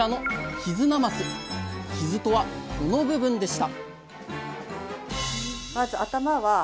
氷頭とはこの部分でした！